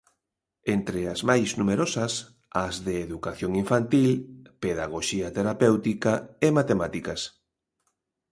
Entre as máis numerosas, as de educación infantil, pedagoxía terapéutica e matemáticas.